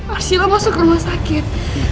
arsila masuk rumah sakit